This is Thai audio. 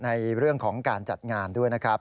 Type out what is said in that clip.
ในเรื่องของการจัดงานด้วยนะครับ